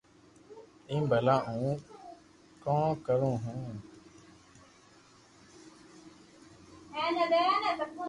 ايم ڀلا ھون ڪو ڪرو ھون